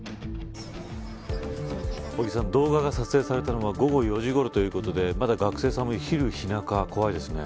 動画が撮影されたのは午後４時ごろということでまだ学生さんも、昼日中怖いですね。